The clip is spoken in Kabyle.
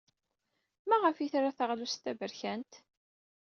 Maɣef ay tra taɣlust taberkant?